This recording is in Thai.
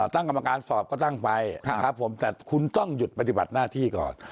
ตั้งกรรมการสอบก็ตั้งไปนะครับผมแต่คุณต้องหยุดปฏิบัติหน้าที่ก่อน